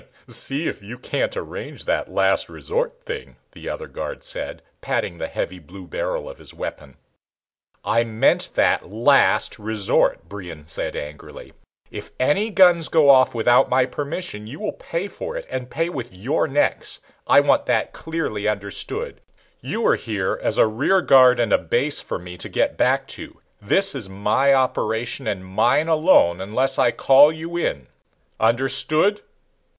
"See if you can't arrange that last resort thing," the other guard said, patting the heavy blue barrel of his weapon. "I meant that last resort," Brion said angrily. "If any guns go off without my permission you will pay for it, and pay with your necks. I want that clearly understood. You are here as a rear guard and a base for me to get back to. This is my operation and mine alone unless I call you in. Understood?"